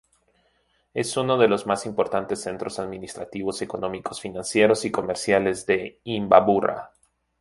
Es uno de los más importantes centros administrativos, económicos, financieros y comerciales de Imbabura.